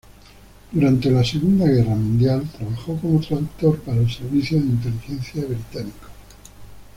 Durante la Segunda Guerra Mundial trabajó como traductor para el Servicio de Inteligencia Británico.